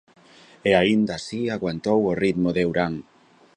E aínda así aguantou o ritmo de Urán.